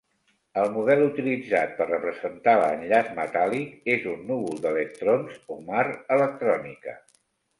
El model utilitzat per representar l'enllaç metàl·lic és un núvol d'electrons o mar electrònica.